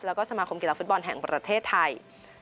แล้วก็สมาคมกีฬาฟุตบอลแห่งประเทศไทย